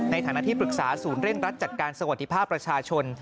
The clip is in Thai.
ในฐานะที่ปรึกษาศูนย์เร่งรัดจัดการสวัสดิภาพประชาชน